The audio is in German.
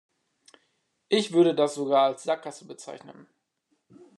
Ich würde das sogar als Sackgasse bezeichnen.